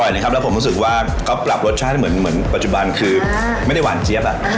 โอ้ยชิมอยู่คนเดียวเค้าบอกให้มาทำไม่ได้มาชิม